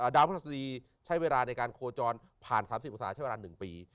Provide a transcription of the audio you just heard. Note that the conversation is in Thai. ดาวพฤหัสดีใช้เวลาในการโคจรผ่าน๓๐องศาใช้เวลา๑ปี